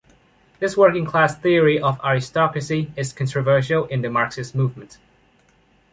This working-class theory of aristocracy is controversial in the Marxist movement.